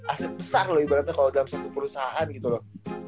aset besar loh ibaratnya kalau dalam satu perusahaan gitu loh